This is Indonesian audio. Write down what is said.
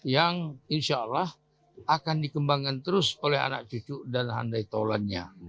yang insya allah akan dikembangkan terus oleh anak cucu dan handai tolannya